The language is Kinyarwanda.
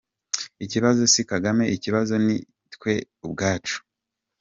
Ikibazo si Kagame ikibazo nitwe ubwacu.